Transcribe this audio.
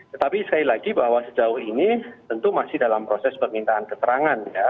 tetapi sekali lagi bahwa sejauh ini tentu masih dalam proses permintaan keterangan ya